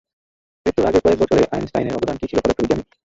মৃত্যুর আগের কয়েক বছরে আইনস্টাইনের অবদান কী ছিল পদার্থবিজ্ঞানে?